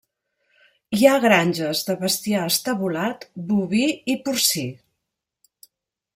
Hi ha granges de bestiar estabulat boví i porcí.